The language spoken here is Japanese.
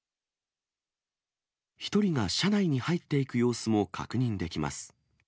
１人が車内に入っていく様子も確認できます。